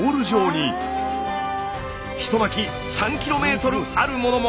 一巻き３ｋｍあるものも！